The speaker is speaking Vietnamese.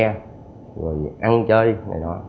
rồi ăn chơi này đó